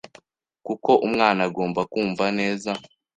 kuko umwana agomba kumva neza